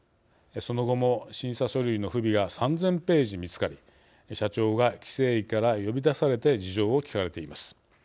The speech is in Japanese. その後も、審査書類の不備が３０００ページ見つかり社長が規制委から呼び出されて事情を聞かれています。